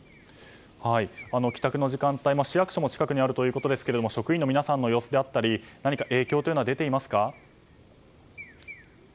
帰宅の時間帯、市役所も近くにあるということですが職員の皆さんの様子であったり何か影響は出ていますか？